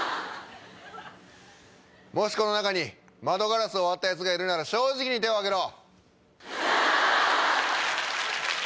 もしこの中に窓ガラスを割った奴がいるなら正直に手を挙げろ。